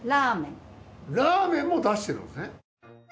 ラーメンも出してるんですね。